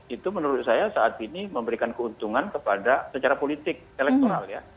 itu menurut saya saat ini memberikan keuntungan kepada secara politik elektoral ya